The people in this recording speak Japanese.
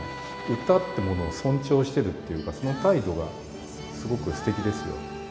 歌ってものを尊重してるっていうか、その態度がすごくすてきですよ。